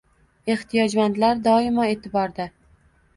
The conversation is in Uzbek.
Ehtiyojmandlar doimo e’tiborda